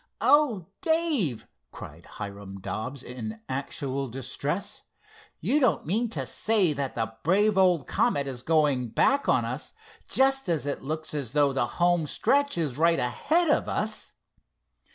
"Oh, Dave!" cried Hiram Dobbs, in actual distress. "You don't mean to say that the brave old Comet is going back on us just as it looks as though the home stretch is right ahead of us?"